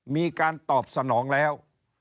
มีการตอบสนองแล้ว